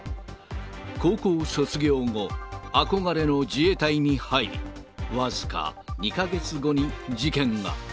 高校を卒業後、憧れの自衛隊に入り、僅か２か月後に事件が。